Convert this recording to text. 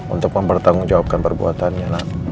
untuk mempertanggung jawabkan perbuatannya